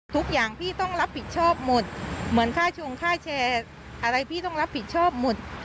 ทุกอย่างพี่ต้องรับผิดชอบหมดเหมือนค่าชงค่าแชร์อะไรพี่ต้องรับผิดชอบหมด